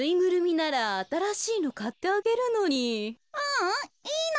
ううんいいの。